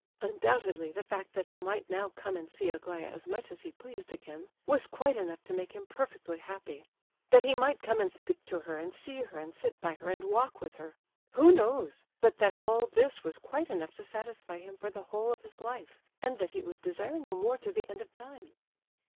Undoubtedly the fact that he might now come and see Aglaya as much as he pleased again was quite enough to make him perfectly happy; that he might come and speak to her, and see her, and sit by her, and walk with her—who knows, but that all this was quite enough to satisfy him for the whole of his life, and that he would desire no more to the end of time?